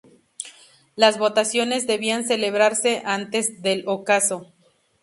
Las votaciones debían celebrarse antes del ocaso.